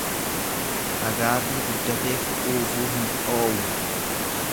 Fagaarri guddateef dhuufuu hin dhoowwu.